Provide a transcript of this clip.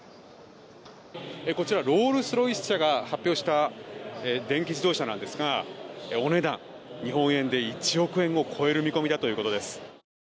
こちらロールスロイス社が発表した電気自動車なんですがお値段、日本円で１億円を超える見込みだということです。